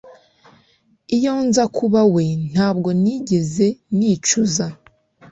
Iyo nza kuba we ntabwo nigeze nicuza